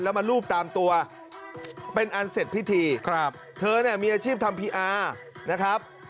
แล้วมารูปตามตัวเป็นอันเสร็จพิธีครับเธอเนี่ยมีอาชีพทำพีอาร์นะครับ